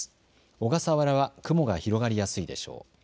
小笠原は雲が広がりやすいでしょう。